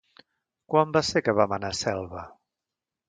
Quan va ser que vam anar a Selva?